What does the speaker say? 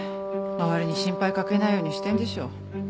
周りに心配掛けないようにしてんでしょ。